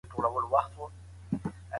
غیرت د هر مېړني ځوان په تندي کي ځلیږي.